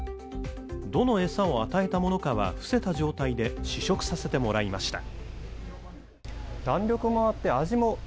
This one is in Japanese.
どの餌を与えたものかは伏せた状態で試食させてもらいました